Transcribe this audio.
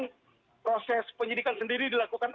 dan proses penyelidikan sendiri dilakukan